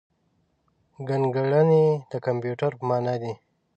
ګڼکړنی د کمپیوټر په مانا دی.